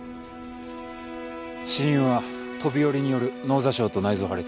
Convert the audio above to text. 死因は飛び降りによる脳挫傷と内臓破裂。